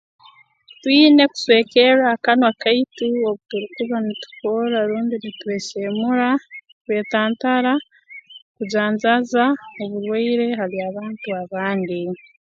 Twine kuswekerra akanwa kaitu obuturukuba nitukorra rundi nitweseemura kwetantara kujanjaaza oburwaire hali abantu abandi